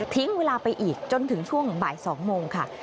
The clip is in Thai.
เวลาไปอีกจนถึงช่วงบ่าย๒โมงค่ะ